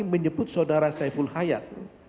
menjemput saudara saiful khayat